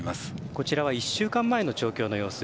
こちらは１週間前の調教の様子。